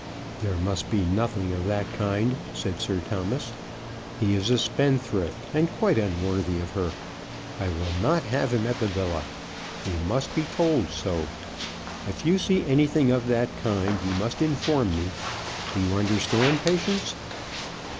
"There must be nothing of that kind," said Sir Thomas. "He is a spendthrift, and quite unworthy of her. I will not have him at the villa. He must be told so. If you see anything of that kind, you must inform me. Do you understand, Patience?"